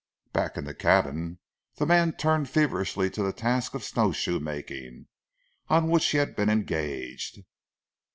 Back in the cabin, the man turned feverishly to the task of snow shoe making on which he had been engaged.